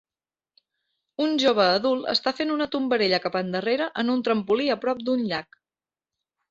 Un jove adult està fent una tombarella cap endarrere en un trampolí a prop d'un llac.